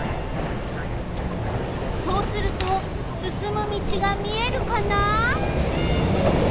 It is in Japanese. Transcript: そうするとすすむ道が見えるかな？